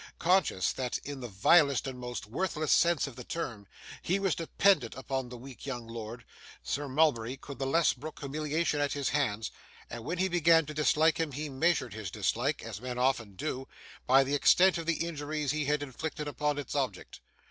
Conscious that, in the vilest and most worthless sense of the term, he was dependent upon the weak young lord, Sir Mulberry could the less brook humiliation at his hands; and when he began to dislike him he measured his dislike as men often do by the extent of the injuries he had inflicted upon its object.